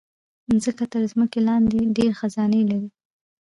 مځکه تر ځمکې لاندې ډېر خزانے لري.